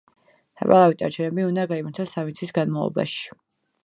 საპარლამენტო არჩევნები უნდა გაიმართოს სამი თვის განმავლობაში.